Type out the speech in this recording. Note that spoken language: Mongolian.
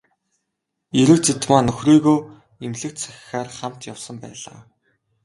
Эрэгзэдмаа нөхрийгөө эмнэлэгт сахихаар хамт явсан байлаа.